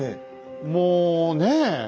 もうねえ？